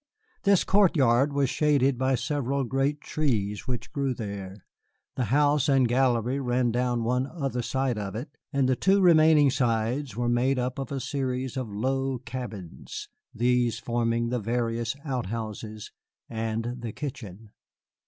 This court yard was shaded by several great trees which grew there; the house and gallery ran down one other side of it; and the two remaining sides were made up of a series of low cabins, these forming the various outhouses and the kitchen.